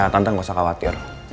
ya tante gak usah khawatir